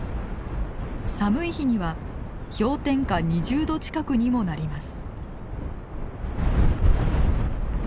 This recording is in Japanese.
寒い日には氷点下２０度近くにもなります。